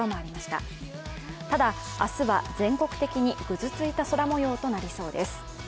ただ、明日は全国的にぐずついた空もようとなりそうです。